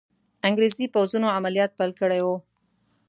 انګریزي پوځونو عملیات پیل کړي وو.